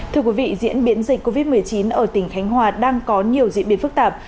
thưa quý vị diễn biến dịch covid một mươi chín ở tỉnh khánh hòa đang có nhiều diễn biến phức tạp